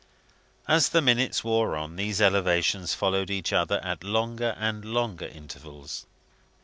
As the minutes wore on, these elevations followed each other at longer and longer intervals.